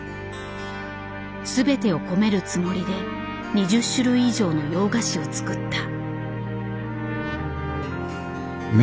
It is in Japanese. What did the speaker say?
全てを込めるつもりで２０種類以上の洋菓子を作った。